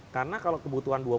karena kalau kebutuhan